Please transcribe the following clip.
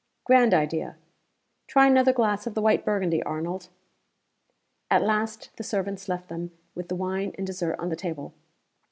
Grand idea! Try another glass of the white Burgundy, Arnold." At last the servants left them with the wine and dessert on the table.